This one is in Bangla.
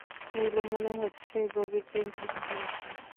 নীলু মনে হচ্ছে গভীর চিন্তায় ডুবে গেছে।